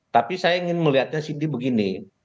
tapi saya ingin melihatnya sih di begini